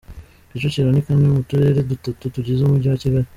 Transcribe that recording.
Kicukiro ni kamwe mu turere dutatu tugize umugi wa Kigali.